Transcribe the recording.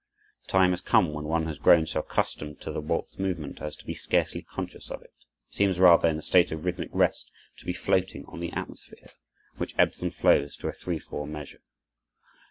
The time has come when one has grown so accustomed to the waltz movement as to be scarcely conscious of it, seems rather, in a state of rhythmic rest, to be floating on the atmosphere, which ebbs and flows to a three four measure.